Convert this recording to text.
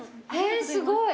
すごい。